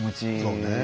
そうね。